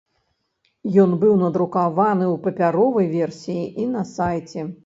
Ён быў надрукаваны ў папяровай версіі і на сайце.